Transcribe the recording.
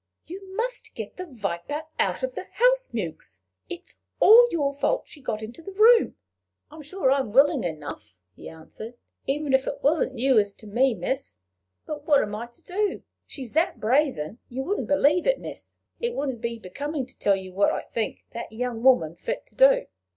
"You must get the viper out of the house, Mewks," she said. "It is all your fault she got into the room." "I'm sure I'm willing enough," he answered, " even if it wasn't you as as't me, miss! But what am I to do? She's that brazen, you wouldn' believe, miss! It wouldn' be becomin' to tell you what I think that young woman fit to do."